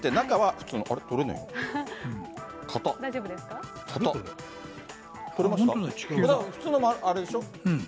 普通のあれでしょ。